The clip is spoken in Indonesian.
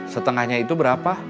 setengahnya itu berapa